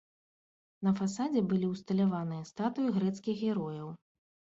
На фасадзе былі ўсталяваныя статуі грэцкіх герояў.